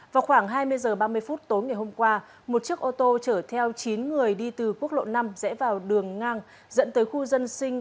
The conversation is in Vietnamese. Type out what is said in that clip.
vào khoảng hai mươi h ba mươi phút tối ngày hôm qua một chiếc ô tô chở theo chín người đi từ quốc lộ năm rẽ vào đường ngang dẫn tới khu dân sinh